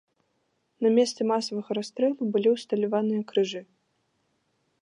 На месцы масавага расстрэлу былі ўсталяваныя крыжы.